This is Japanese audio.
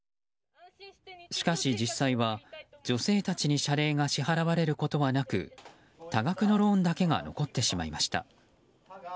しかし、実際は女性たちに謝礼が支払われることはなく多額のローンだけが残ってしまいました。